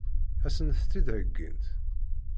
Ad sent-t-id-heggint?